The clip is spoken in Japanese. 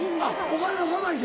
お金出さないで？